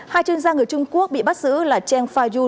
hai chuyên gia người trung quốc bị bắt giữ là cheng fai